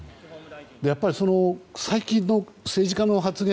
やっぱり、最近の政治家の発言